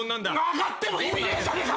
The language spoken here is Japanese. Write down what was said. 上がっても意味ねえじゃねえか！